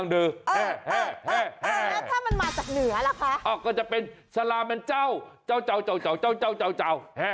ดิฉันว่ามันไม่น่าใช่สักอย่างแล้วล่ะ